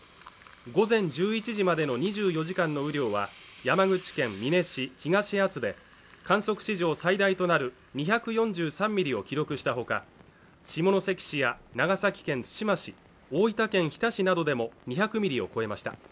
午前１１時までの２４時間の雨量は山口県美祢市東厚保で、観測史上最多となる２４３ミリを記録したほか、下関市や長崎県対馬市、大分県日田市などでも２００ミリを超えました。